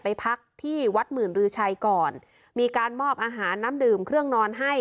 พักที่วัดหมื่นรือชัยก่อนมีการมอบอาหารน้ำดื่มเครื่องนอนให้